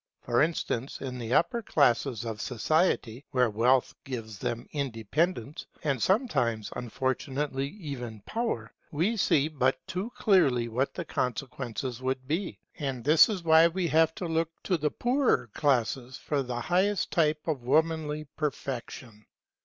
From instances in the upper classes of society, where wealth gives them independence, and sometimes unfortunately even power, we see but too clearly what the consequences would be. And this is why we have to look to the poorer classes for the highest type of womanly perfection.